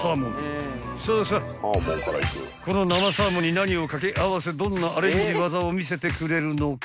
［さあさあこの生サーモンに何を掛け合わせどんなアレンジ技を見せてくれるのか？］